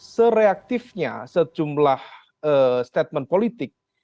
sereaktifnya sejumlah statement politik